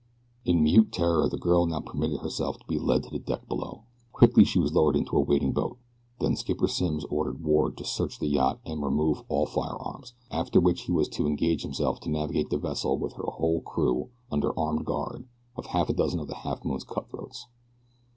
In mute terror the girl now permitted herself to be led to the deck below. Quickly she was lowered into a waiting boat. Then Skipper Simms ordered Ward to search the yacht and remove all firearms, after which he was to engage himself to navigate the vessel with her own crew under armed guard of half a dozen of the Halfmoon's cutthroats.